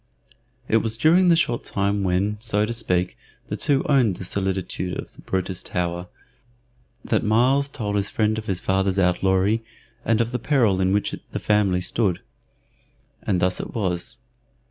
It was during the short time when, so to speak, the two owned the solitude of the Brutus Tower, that Myles told his friend of his father's outlawry and of the peril in which the family stood. And thus it was.